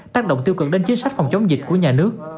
tác động tiêu cực đến chính sách phòng chống dịch của nhà nước